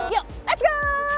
yuk let's go